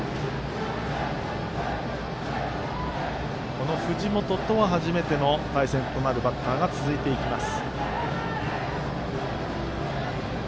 この藤本とは初めての対戦となるバッターが続いていきます。